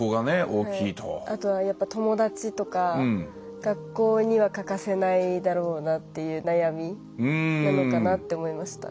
あとは、友達とか学校には欠かせないだろうなっていう悩みなのかなって思いました。